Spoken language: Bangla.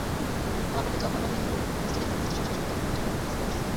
গোয়ার পণ্ডিত জওহরলাল নেহরু স্টেডিয়াম থেকে ম্যাচটি সরাসরি সম্প্রচার করবে টেন স্পোর্টস।